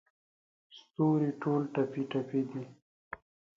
ستوري ټول ټپې، ټپي دی